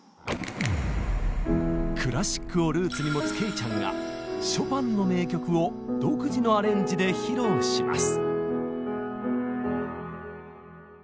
クラシックをルーツに持つけいちゃんがショパンの名曲を独自のアレンジで披露します！